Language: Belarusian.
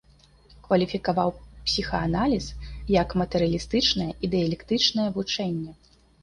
Кваліфікаваў псіхааналіз як матэрыялістычнае, і дыялектычнае вучэнне.